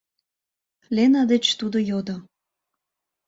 — Лена деч тудо йодо.